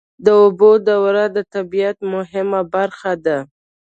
د اوبو دوره د طبیعت مهمه برخه ده.